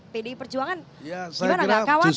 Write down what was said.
pdi perjuangan gimana gak khawatir